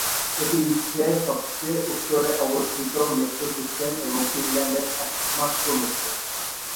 এটি বিশ্বের সবচেয়ে উত্তরে অবস্থিত মেট্রো সিস্টেম এবং ফিনল্যান্ডের একমাত্র মেট্রো।